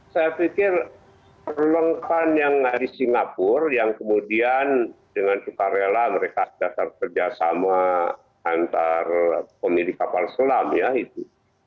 saya pikir perlengkapan yang ada di singapura yang kemudian dengan sukarela mereka dasar kerjasama antar pemilik kapal selam ya itu